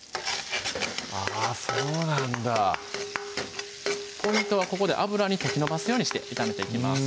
あぁそうなんだポイントはここで油に溶きのばすようにして炒めていきます